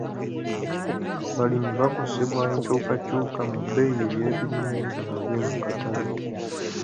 Abalimi bakosebwa enkyukakyuka mu bbeeyi y'ebirime byabwe mu katale.